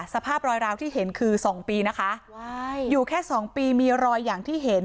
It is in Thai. สภาพรอยราวที่เห็นคือสองปีนะคะอยู่แค่สองปีมีรอยอย่างที่เห็น